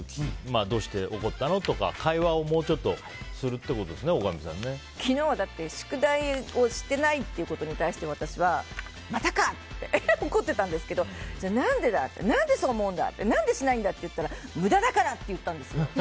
どうして怒ったのとか会話をもうちょっとするって昨日は宿題をしてないことに対して私は、またか！って怒ってたんだけどじゃあ、何でしないんだ！って聞いたら無駄だから！って言ったんですよ。